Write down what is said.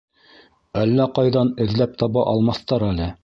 Әллә ҡайҙан эҙләп таба алмаҫтар әле.